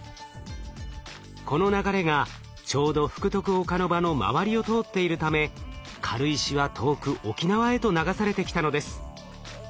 この流れがちょうど福徳岡ノ場の周りを通っているため軽石は遠く沖縄へと流されてきたのです。